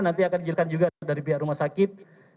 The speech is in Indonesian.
nanti akan dijelaskan juga dari pihak rumah sakit